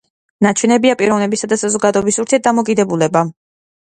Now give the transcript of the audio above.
ნაჩვენებია პიროვნებისა და საზოგადოების ურთიერთდამოკიდებულება.